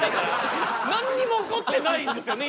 何にも起こってないんですよね